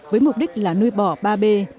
với mục đích là nuôi bò ba b